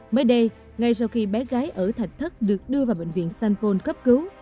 mới đây ngay sau khi bé gái ở thạch thất được đưa vào bệnh viện sanfone cấp cứu